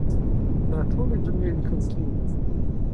ځمکنی شکل د افغانستان د چاپیریال ساتنې لپاره ډېر مهم دي.